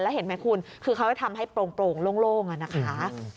แล้วเห็นไหมคุณคือเขาจะทำให้โปร่งโล่งอะนะคะ